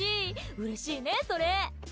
うれしいねそれ。